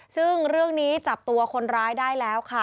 ซึ่งเรื่องนี้จับตัวคนร้ายได้แล้วค่ะ